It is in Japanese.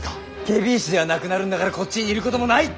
検非違使ではなくなるんだからこっちにいることもない！